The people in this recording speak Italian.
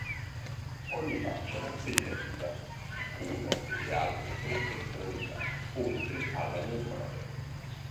Ogni faccia rappresenta una delle altre tre personalità oltre alla normale.